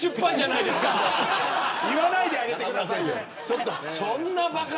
言わないであげてくださいよ。